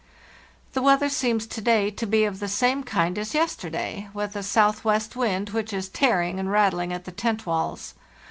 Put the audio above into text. "The weather seems to day to be of the same kind as yesterday, with a southwest wind, which is tearing and rattling at the tent walls.